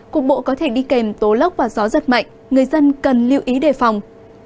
cục bộ có thể đi kèm tố lốc và gió giật mạnh người dân cần lưu ý đề phòng